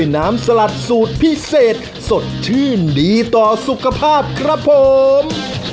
น้ำสลัดสูตรพิเศษสดชื่นดีต่อสุขภาพครับผม